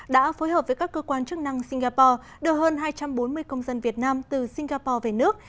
đã phối hợp với các cơ quan chức năng singapore đưa hơn hai trăm bốn mươi công dân việt nam từ singapore về nước